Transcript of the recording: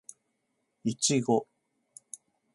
いちご